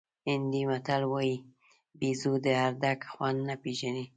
هندي متل وایي بېزو د ادرک خوند نه پېژني.